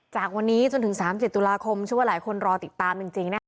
จากวันนี้จนถึงสามสิบเอ็ดตุลาคมชื่อว่าหลายคนรอติดตามจริงจริงนะฮะ